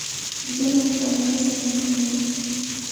زه له مطالعې سره مینه لرم .